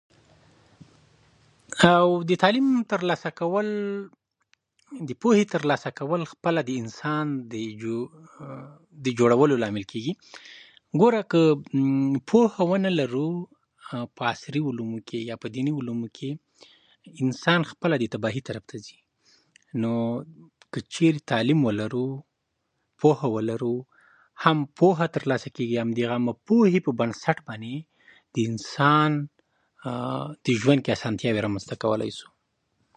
او د تعليم ترلاسه کول او د پوهې حاصلول خپله د انسان د جوړېدو لامل کېږي. ګوره، که پوهه ونه لرو، که په عصري علومو کې وي او که په ديني علومو کې، انسان خپله د تباهۍ طرف ته ځي. نو که چېرته تعليم ولرو او پوهه ولرو، هم پوهه ترلاسه کېږي او هم د هغې پوهې پر بنسټ د انسان د ژوند اسانتياوې رامنځته کېدای شي.